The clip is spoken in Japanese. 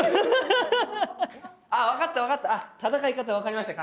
ああわかったわかった！